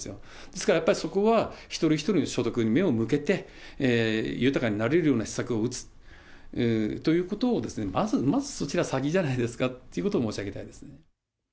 ですから、やっぱりそこは、一人一人の所得に目を向けて、豊かになれるような施策を打つということをまず、まずそっちが先じゃないですかということを申し上げたいですね。